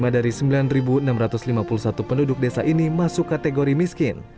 lima satu ratus enam puluh lima dari sembilan enam ratus lima puluh satu penduduk desa ini masuk kategori miskin